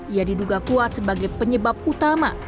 ia diduga kuat sebagai penyebab utama